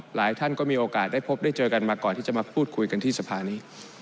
หลายท่านก็มีโอกาสได้พบได้เจอกันมาก่อนที่จะมาพูดคุยกันที่สภานี้